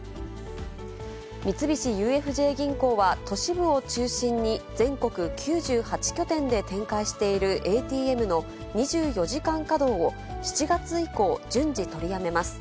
三菱ＵＦＪ銀行は都市部を中心に全国９８拠点で展開しているＡＴＭの２４時間稼働を、７月以降、順次取りやめます。